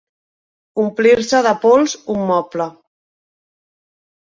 Omplir-se de pols un moble.